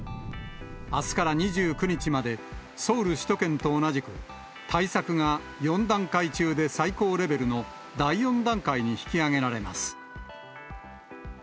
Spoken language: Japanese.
あすから２９日までソウル首都圏と同じく、対策が４段階中で最高レベルの第４段階に引き上げられます。